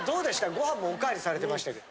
ご飯もおかわりされてましたけど。